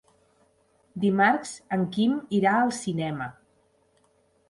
Dimarts en Quim irà al cinema.